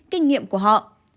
kinh nghiệm của họ